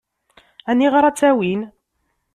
Aniɣer ad tt-awin?